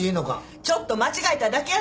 ちょっと間違えただけやないですか！